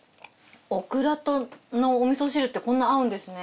オクラとお味噌汁ってこんな合うんですね。